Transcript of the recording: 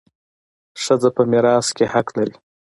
ښځه په میراث کي حق لري.